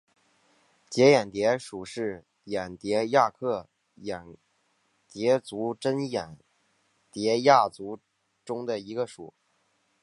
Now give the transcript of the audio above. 结眼蝶属是眼蝶亚科眼蝶族珍眼蝶亚族中的一个属。